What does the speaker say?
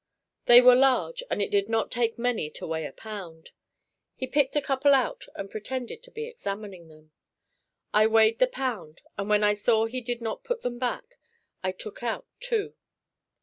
They were large and it did not take many to weigh a pound. He picked a couple out and pretended to be examining them. I weighed the pound and when I saw he did not put them back, I took out two.